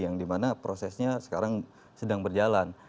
yang dimana prosesnya sekarang sedang berjalan